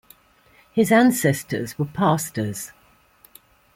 His ancestors were pastors.